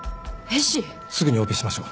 すぐにオペしましょう。